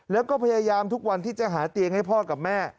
แล้วก็พยายามทุกวันที่จะหาเตียงให้พ่อกับแม่